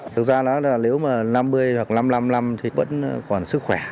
thực ra là nếu mà năm mươi hoặc năm trăm năm mươi năm thì vẫn còn sức khỏe